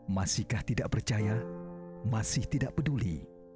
masihkah tidak percaya masih tidak peduli